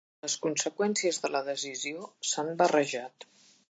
Les conseqüències de la decisió s'han barrejat.